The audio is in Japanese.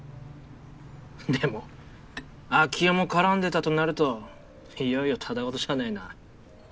でも秋生も絡んでたとなるといよいよただごとじゃないな。